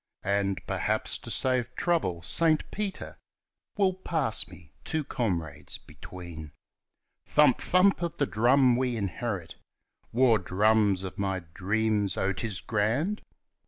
And. perhaps, to save trouble, Saint Peter Will pass me, two comrades between. Thump! thump! of the drums we inherit War drums of my dreams oh, it's grand